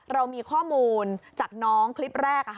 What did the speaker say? เรามีข้อมูลจากน้องคลิปแรก